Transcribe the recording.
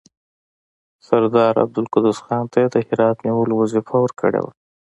سردار عبدالقدوس خان ته یې د هرات نیولو وظیفه ورکړې وه.